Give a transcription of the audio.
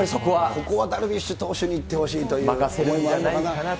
ここはダルビッシュ投手にいってほしいということもあるのかな。